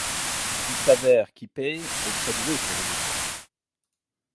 Il s’avère qu’Ippei est très doué pour les échecs.